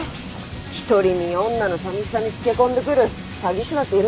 独り身女のさみしさにつけ込んでくる詐欺師だっているんだから。